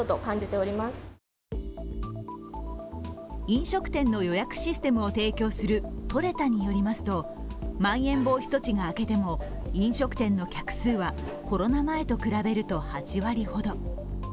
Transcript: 飲食店の予約システムを提供するトレタによりますとまん延防止措置が明けても飲食店の客数はコロナ前と比べると８割ほど。